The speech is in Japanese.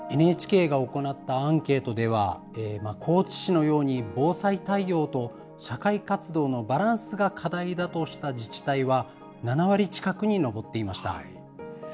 ＮＨＫが行ったアンケートでは、高知市のように、防災対応と社会活動のバランスが課題だとした自治体は７割近くに上っていました。